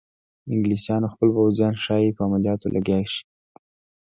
انګلیسیانو خپل پوځیان ښایي په عملیاتو لګیا شي.